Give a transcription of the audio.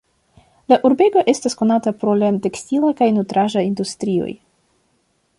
La urbego estas konata pro la tekstila kaj nutraĵa industrioj.